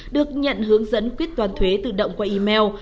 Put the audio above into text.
được nhận hướng dẫn quyết toán thuế tự động qua email